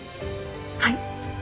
はい。